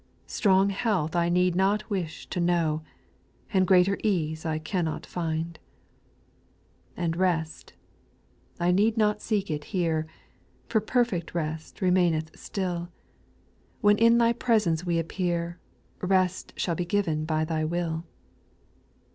Strong health I need not wish to know, And greater ease I cannot find. J 4. And rest — I need not seek it here — For perfect rest remaineth still ; When in Thy presence we appear Rest shall be given by Thy will.